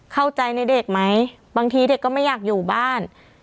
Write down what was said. เข้าใจในเด็กไหมบางทีเด็กก็ไม่อยากอยู่บ้าน